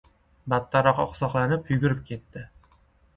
battarroq oqsoqlanib yugurib ketdi.